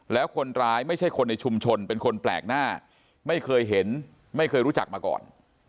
แล้วคนร้ายไม่ใช่คนในชุมชนเป็นคนแปลกหน้าไม่เคยเห็นไม่เคยรู้จักมาก่อน